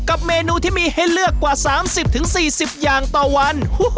เมนูที่มีให้เลือกกว่า๓๐๔๐อย่างต่อวัน